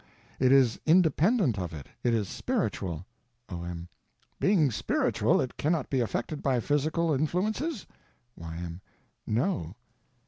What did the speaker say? It is independent of it; it is spiritual. O.M. Being spiritual, it cannot be affected by physical influences? Y.M. No.